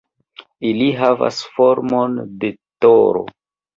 Ili havas formon de toro.